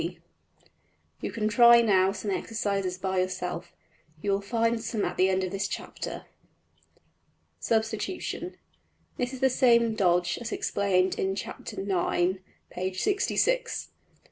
\] You can try now some exercises by yourself; you will find some at the end of this chapter. \Paragraph{Substitution.} This is the same dodge as explained in Chap.~IX., \Pageref{chap:IX}.